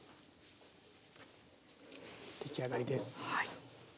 出来上がりです。